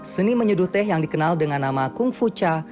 seni menyuduh teh yang dikenal dengan nama kung fucha